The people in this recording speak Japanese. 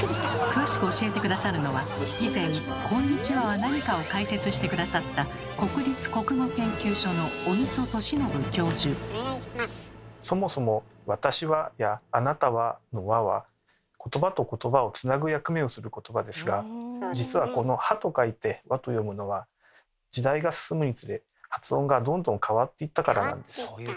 詳しく教えて下さるのは以前「こんにちは」は何かを解説して下さったそもそも「私は」や「あなたは」の「は」は言葉と言葉をつなぐ役目をする言葉ですが実はこの「は」と書いて「わ」と読むのは時代が進むにつれ発音がどんどん変わっていったからなんです。